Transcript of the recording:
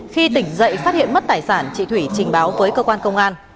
khi tỉnh dậy phát hiện mất tài sản chị thủy trình báo với cơ quan công an